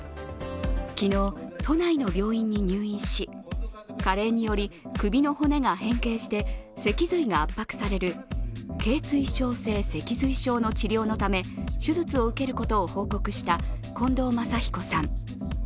昨日、都内の病院に入院し加齢により首の骨が変形して脊髄が圧迫される頸椎症性脊髄症の治療のため手術を受けることを報告した近藤真彦さん。